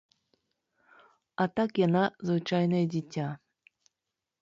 А так яна звычайнае дзіця.